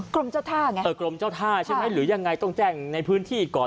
กรมเจ้าท่าไงใช่ไหมหรือยังไงต้องแจ้งในพื้นที่ก่อน